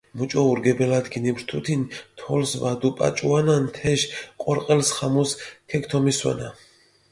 მუჭო ურგებელათ გინიფრთუთინ, თოლს ვადუფაჭუანან თეშ, ყორყელს ხამუს ქეგთომისვანა.